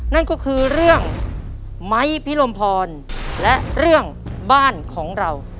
นั่นก็คือเรื่องไม้พิรมพรและเรื่องบ้านของเรา